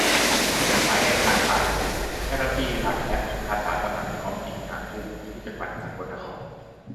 สาเหตุการตายคือ เจ้าหน้าที่รัฐและอาสาสมัครล้อมยิงกลางทุ่ง ที่จังหวัดสกลนคร